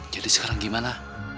jadi sekarang gimana